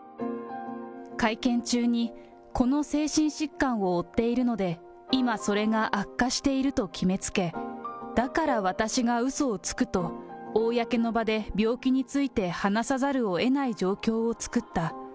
会見中に、この精神疾患を負っているので、今、それが悪化していると決めつけ、だから私がうそをつくと公の場で病気について話さざるをえない状況を作った。